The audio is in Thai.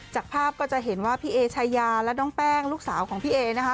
จากภาพก็จะเห็นว่าพี่เอชายาและน้องแป้งลูกสาวของพี่เอนะคะ